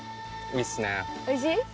おいしい？